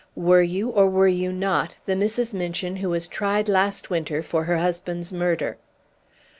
Were you, or were you not, the Mrs. Minchin who was tried last winter for her husband's murder?"